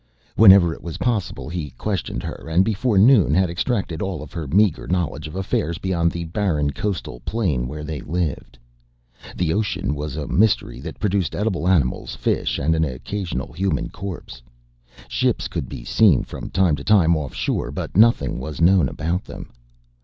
Whenever it was possible he questioned her and before noon had extracted all of her meager knowledge of affairs beyond the barren coastal plain where they lived. The ocean was a mystery that produced edible animals, fish and an occasional human corpse. Ships could be seen from time to time offshore but nothing was known about them.